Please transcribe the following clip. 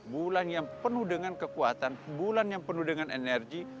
bulan yang penuh dengan kekuatan bulan yang penuh dengan energi